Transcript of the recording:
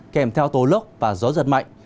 kèm theo tố lớp và gió giật mạnh